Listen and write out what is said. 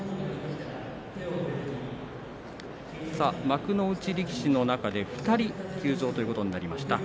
幕内力士の中で２人休場ということになりました。